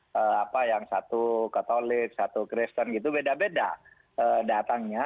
beda misalnya satu katolik satu kristen beda beda datangnya